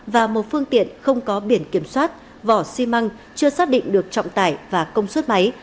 và một phương tiện không có biển kiểm soát vỏ xi măng chưa xác định được trọng tải và công suất máy